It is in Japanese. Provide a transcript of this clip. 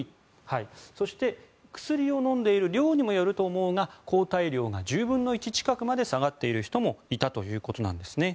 そして、薬を飲んでいる量にもよると思うが抗体量が１０分の１近くまで下がっている人もいたということですね。